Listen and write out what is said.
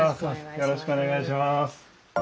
よろしくお願いします。